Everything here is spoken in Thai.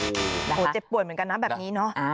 โอ้โหเจ็บป่วยเหมือนกันนะแบบนี้เนอะ